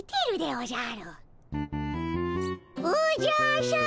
おじゃ！